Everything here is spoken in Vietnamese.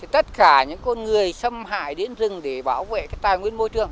tất cả những con người xâm hại đến rừng để bảo vệ tài nguyên môi trường